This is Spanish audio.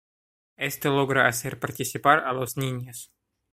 Esto logra hacer participar a los niños.